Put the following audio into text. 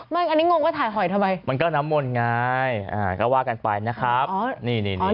ไม่อันนี้งงว่าถ่ายหอยทำไมมันก็น้ำมนไงอ่าก็ว่ากันไปนะครับนี่นี่นี่